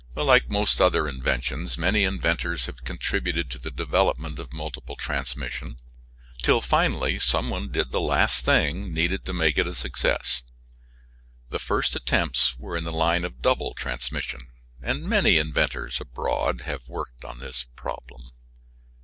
Like most other inventions, many inventors have contributed to the development of multiple transmission, till finally some one did the last thing needed to make it a success. The first attempts were in the line of double transmission, and many inventors abroad have worked on this problem.